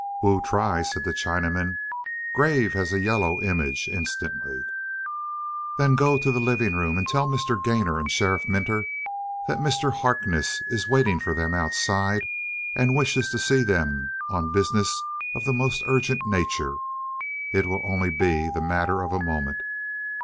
"Wu try," said the Chinaman, grave as a yellow image instantly. "Then go to the living room and tell Mr. Gainor and Sheriff Minter that Mr. Harkness is waiting for them outside and wishes to see them on business of the most urgent nature. It will only be the matter of a moment.